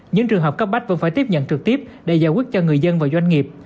những trường hợp cấp bách vẫn phải tiếp nhận trực tiếp để giải quyết cho người dân và doanh nghiệp